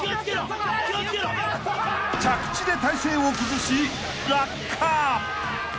［着地で体勢を崩し］